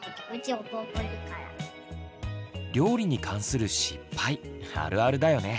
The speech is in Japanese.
料理に関する失敗あるあるだよね。